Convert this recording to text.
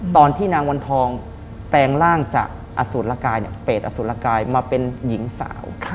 ตอนที่นางวันทองแปลงร่างจากอสูตรละกายเปรตอสูตรละกายมาเป็นหญิงสาว